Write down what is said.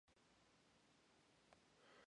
Booth was formally sworn in the following day.